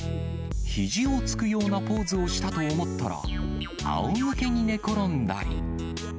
ひじをつくようなポーズをしたと思ったら、あおむけに寝転んだり。